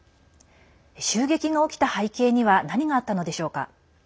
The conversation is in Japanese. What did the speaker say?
襲撃が起きた背景には何があったのでしょうか。